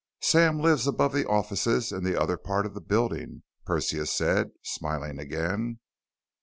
"Sam lives above the offices in the other part of the building," Persia said, smiling again.